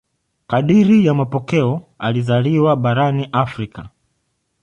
Kadiri ya mapokeo alizaliwa barani Afrika.